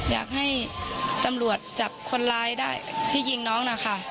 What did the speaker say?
อยากให้ตำรวจจับคนร้ายได้ที่ยิงน้องนะคะ